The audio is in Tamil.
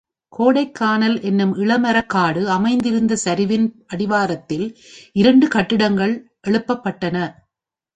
கோடைக்கானல் என்னும் இள மரக்காடு அமைந்திருந்த சரிவின் அடிவாரத்தில் இரண்டு கட்டிடங்கள் எழுப்பப்பட்டன.